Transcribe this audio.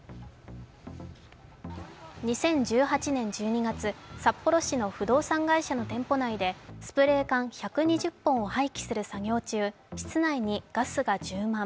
２０１８年１２月、札幌市の不動産会社の店舗内でスプレー缶１２０本を廃棄する作業中室内にガスが充満。